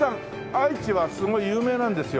愛知はすごい有名なんですよ。